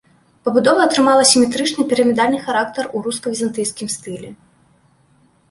Пабудова атрымала сіметрычны пірамідальны характар у руска-візантыйскім стылі.